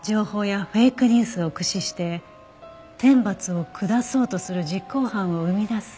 ニュースを駆使して天罰を下そうとする実行犯を生み出す。